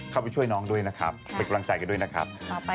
เข้าไปช่วยน้องด้วยนะครับเป็นกำลังใจกันด้วยนะครับ